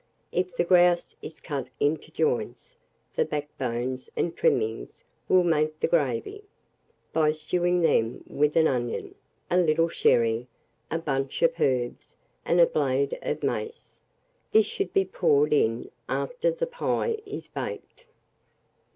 If the grouse is cut into joints, the backbones and trimmings will make the gravy, by stewing them with an onion, a little sherry, a bunch of herbs, and a blade of mace: this should be poured in after the pie is baked.